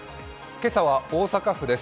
今朝は大阪府です。